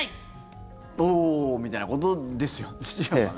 みたいなことですよね？